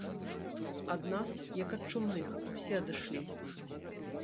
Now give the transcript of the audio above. Ад нас, як ад чумных, усе адышлі.